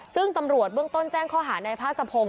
ซึ่งตำรวจเบื้องต้นแจ้งข้อหาในพาสะพงศ